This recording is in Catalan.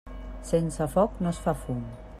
Sense foc no es fa fum.